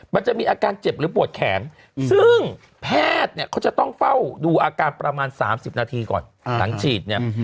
มันจะมีอาการเจ็บหรือปวดแขนซึ่งแพทย์เนี่ยเขาจะต้องเฝ้าดูอาการประมาณ๓๐นาทีก่อนหลังฉีดเนี่ย